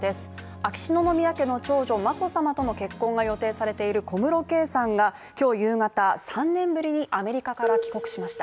秋篠宮家の長女・眞子さまとの結婚が予定されている小室圭さんが今日夕方、３年ぶりにアメリカから帰国しました。